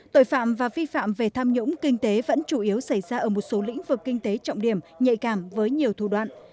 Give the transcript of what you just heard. tội phạm và vi phạm về tham nhũng kinh tế vẫn chủ yếu xảy ra ở một số lĩnh vực kinh tế trọng điểm nhạy cảm với nhiều thủ đoạn